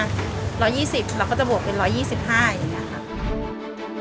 เราก็จะบวกเป็น๑๒๕บาทอย่างนี้ครับ